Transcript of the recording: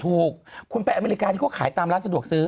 ถูกคุณไปอเมริกาที่เขาขายตามร้านสะดวกซื้อ